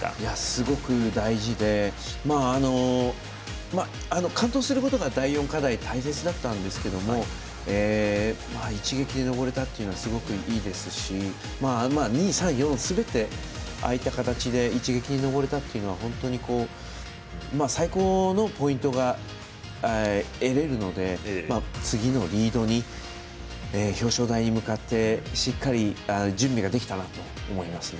すごく大事で完登することが第４課題大事だったんですけど一撃で登れたっていうのはすごくいいですし、２、３、４すべてああいった形で一撃で登れたというのは本当に最高のポイントが得られるので次のリードに、表彰台に向かってしっかり準備ができたなと思いますね。